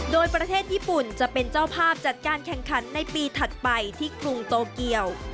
โดยประเทศญี่ปุ่นจะเป็นเจ้าภาพจัดการแข่งขันในปีถัดไปที่กรุงโตเกียว